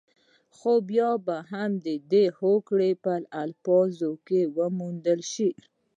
خو بيا به هم د هوګو په الفاظو کې وموندل شي.